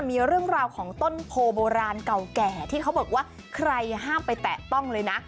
มีเรื่องราวของต้นโพโบราณเก่าแก่ที่เขาบอกว่าใครห้ามไปแตะต้องเลยนะ